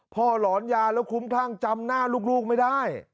หลอนยาแล้วคุ้มคลั่งจำหน้าลูกไม่ได้